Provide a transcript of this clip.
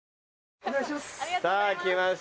お願いします。